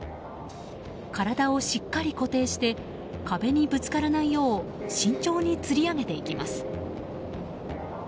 体をしっかり固定して壁にぶつからないよう慎重につり上げていきます。